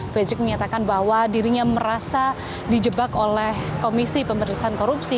fredrik menyatakan bahwa dirinya merasa dijebak oleh komisi pemerintahan korupsi